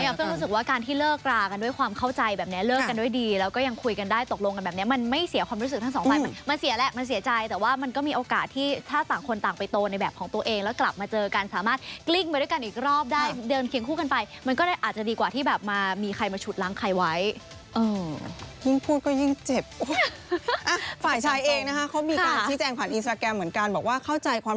อยากจะรู้สึกว่าการที่เลิกกลากันด้วยความเข้าใจแบบนี้เลิกกันด้วยดีแล้วก็ยังคุยกันได้ตกลงกันแบบนี้มันไม่เสียความรู้สึกทั้งสองฝ่ายมันเสียแหละมันเสียใจแต่ว่ามันก็มีโอกาสที่ถ้าสามคนต่างไปโตในแบบของตัวเองแล้วกลับมาเจอกันสามารถกลิ้งไปด้วยกันอีกรอบได้เดินเคียงคู่กันไปมันก็อาจจะดีกว